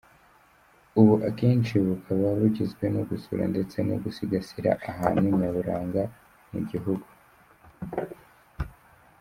Ubu akenshi bukaba bugizwe no gusura ndetse no gusigasira ahantu nyaburanga mu gihugu.